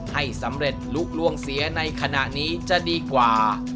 ให้สำเร็จลุกล่วงเสียในขณะนี้จะดีกว่า